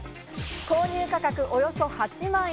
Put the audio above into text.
購入価格およそ８万円。